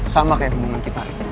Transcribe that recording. sama kayak hubungan kita